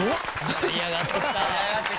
盛り上がってきたね。